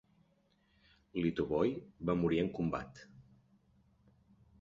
Litovoi va morir en combat.